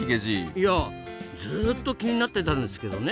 いやずっと気になってたんですけどね